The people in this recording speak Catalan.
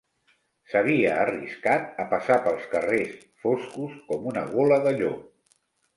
S'havia arriscat a passar pels carrers, foscos com una gola de llop